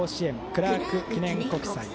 クラーク記念国際。